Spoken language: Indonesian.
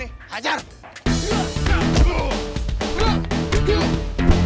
lu gak usah baik ngomong